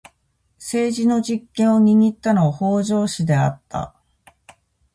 政治の実権を握ったのは北条氏であった。